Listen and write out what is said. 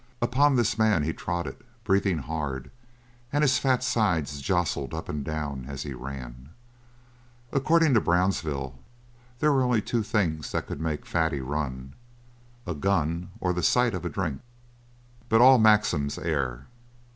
Upon this man he trotted, breathing hard, and his fat sides jostled up and down as he ran. According to Brownsville, there were only two things that could make Fatty run: a gun or the sight of a drink. But all maxims err.